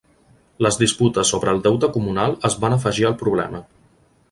Les disputes sobre el deute comunal es van afegir al problema.